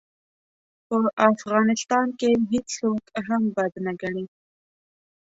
په افغانستان کې هېڅوک هم بد نه ګڼي.